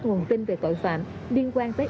nguồn tin về tội phạm liên quan tới